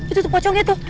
itu tuh pocongnya tuh